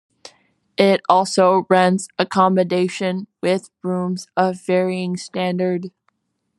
It also rents accommodation with rooms of varying standard.